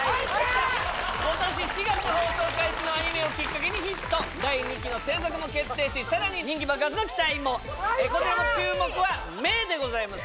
今年４月放送開始のアニメをきっかけにヒット第２期の制作も決定しさらに人気爆発の期待もこちらも注目は目でございますね